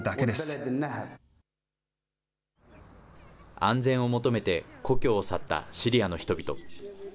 安全を求めて、故郷を去ったシリアの人々。